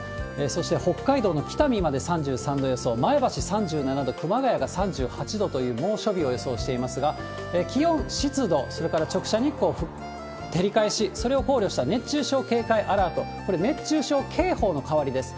そして北海道の北見まで３３度予想、前橋３７度、熊谷が３８度という猛暑日を予想していますが、気温、湿度、それから直射日光、照り返し、それを考慮した熱中症警戒アラート、これ、熱中症警報の代わりです。